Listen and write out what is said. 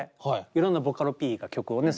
いろんなボカロＰが曲をね